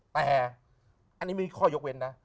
แต่อันนี้ไม่มีข้อยกเว้นนะ